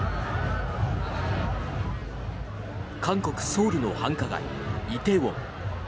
韓国ソウルの繁華街梨泰院。